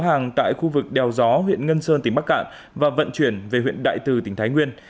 hàng tại khu vực đèo gió huyện ngân sơn tỉnh bắc cạn và vận chuyển về huyện đại từ tỉnh thái nguyên